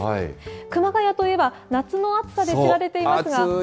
熊谷といえば、夏の暑さで知られていますが。